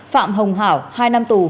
phạm hồng hảo hai năm tù